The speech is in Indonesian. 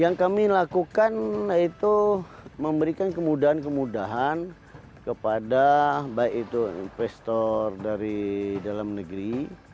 yang kami lakukan itu memberikan kemudahan kemudahan kepada baik itu investor dari dalam negeri